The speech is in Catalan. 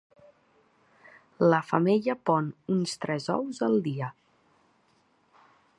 La femella pon uns tres ous al dia.